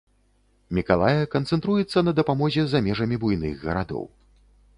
Мікалая канцэнтруецца на дапамозе за межамі буйных гарадоў.